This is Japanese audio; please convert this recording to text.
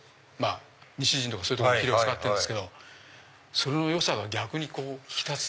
西陣とかそういうとこのきれを使ってるんですけどそれのよさが逆に引き立つ。